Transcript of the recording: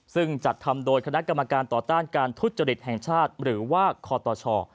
ซึ่งจัดทำโดยคณะกรรมการต่อต้านการทุจริตแห่งชาติหรือว่าคอตช